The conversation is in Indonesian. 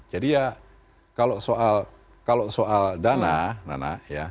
jadi ya kalau soal dana